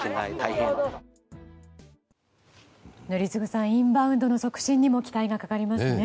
宜嗣さんインバウンドの促進にも期待がかかりますね。